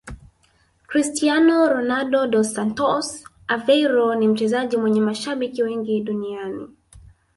Cristiano Ronaldo dos Santos Aveiro ni mchezaji mwenye mashabiki wengi duniani